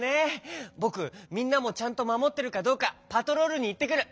ぼくみんなもちゃんとまもってるかどうかパトロールにいってくる！